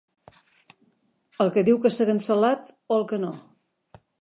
El que diu que s'ha cancel·lat o el que no?